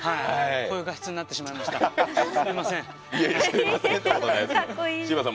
こういう画質になってしまいました、すみません。